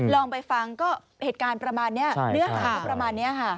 ลองไปฟังก็เหตุการณ์ประมาณนี้เนื้อหาก็ประมาณนี้ค่ะ